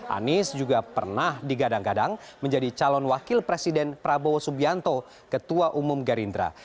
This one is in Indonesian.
anies juga pernah digadang gadang menjadi calon wakil presiden prabowo subianto ketua umum gerindra